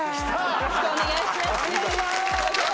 よろしくお願いします